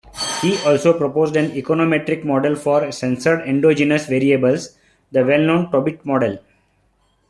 He also proposed an econometric model for censored endogenous variables, the well-known "Tobit model".